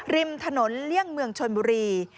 ริมถนนเลี่ยงเมืองชนบุรี